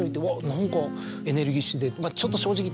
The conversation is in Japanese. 何かエネルギッシュで。